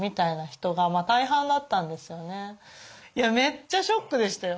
めっちゃショックでしたよ